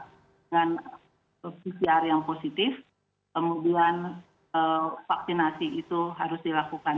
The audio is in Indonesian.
dengan pcr yang positif kemudian vaksinasi itu harus dilakukan